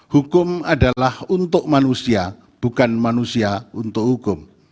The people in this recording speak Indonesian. hukum adalah untuk manusia bukan manusia untuk hukum